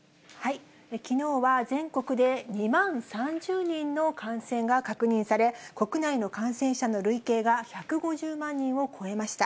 きのうは全国で２万３０人の感染が確認され、国内の感染者の累計が１５０万人を超えました。